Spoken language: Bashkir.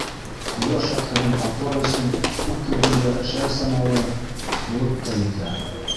Ҡояш яҡтыһын ҡаплар өсөн күк йөҙөндә шәл самалы болот та етә.